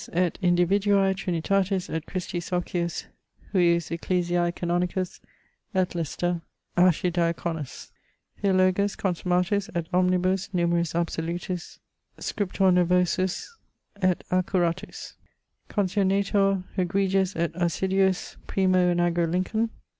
et individuae Trinitatis et Christi socius, hujus ecclesiae canonicus et Leycestr. archidiaconus, Theologus consummatus et omnibus numeris absolutus, Scriptor nervosus et accuratus, Concionator egregius et assiduus primo in agro Lincoln.